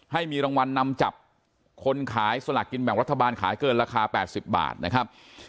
ให้มีรางวัลนำจับคนขายสลากกินแบ่งรัฐบาลขายเกินราคา๘๐บาทนะครับ